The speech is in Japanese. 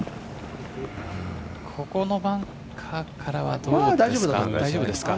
ここのバンカーからは大丈夫ですね。